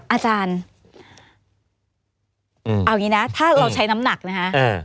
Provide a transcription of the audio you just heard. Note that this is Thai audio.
อาจารย์เอาอย่างนี้นะถ้าเราใช้น้ำหนักนะคะ